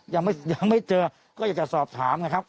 ยังไม่เจอก็อยากจะสอบถามนะครับ